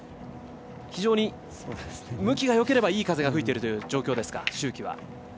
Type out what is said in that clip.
非常に向きがよければいい風が吹いているという状況ですか。